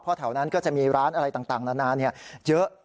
เพราะแถวนั้นก็จะมีร้านอะไรต่างนานาเยอะ